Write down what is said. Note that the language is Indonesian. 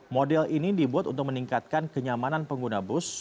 model ini dibuat untuk meningkatkan kenyamanan pengguna bus